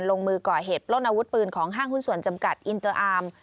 ลงมือก่อเหตุปล้นอาวุธปืนของห้างหุ้นส่วนจำกัดอินเตอร์อาร์ม